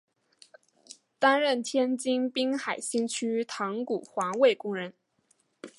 担任天津滨海新区塘沽环卫工人。